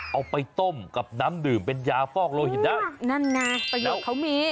เอาไปต้มกับน้ำดื่มเป็นยาฟอกโลหิระนั่นน่ะประเภทเค้ามี